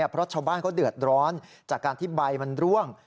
เพราะชาวบ้านเขาเดือดร้อนจากการที่ใบมันร่วง